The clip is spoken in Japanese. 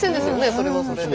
それはそれで。